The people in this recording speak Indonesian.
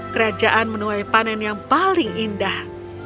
kerajaan menuai panen yang paling indah